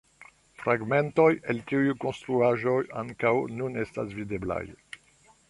Fragmentoj el tiuj konstruaĵoj ankaŭ nun estas videblaj.